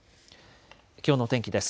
きょうの天気です。